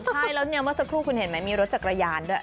ใช่แล้วสักครู่คุณเห็นมั้ยมีรถจักรยานด้วย